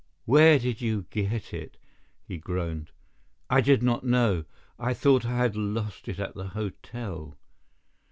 "Where did you get it?" he groaned. "I did not know. I thought I had lost it at the hotel."